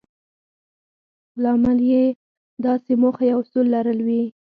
لامل يې داسې موخه يا اصول لرل وي.